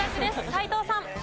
斎藤さん。